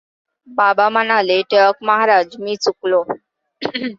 बाबा म्हणाले टिळक महाराज मी चुकलो.